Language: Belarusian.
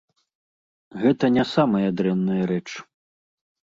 Гэта не самая дрэнная рэч.